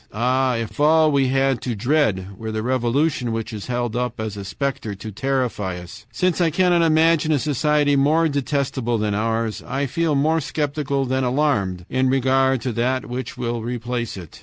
"Ah! if all we had to dread were the revolution which is held up as a specter to terrify us! Since I cannot imagine a society more detestable than ours, I feel more skeptical than alarmed in regard to that which will replace it.